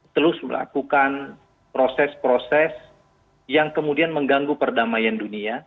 terus melakukan proses proses yang kemudian mengganggu perdamaian dunia